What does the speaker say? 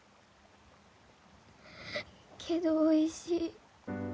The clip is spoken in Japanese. けどおいしい。